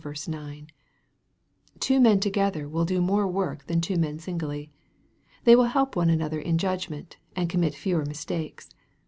9.) Two men together will do more work than two men singly. They will help one another in judgment, and commit fewer mistakes.